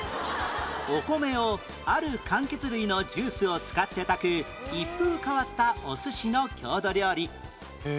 お米をある柑橘類のジュースを使って炊く一風変わったお寿司の郷土料理